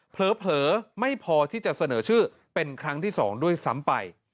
เผลอไม่พอที่จะเสนอชื่อเป็นครั้งที่๒ด้วยซ้ำไป